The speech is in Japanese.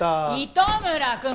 糸村くん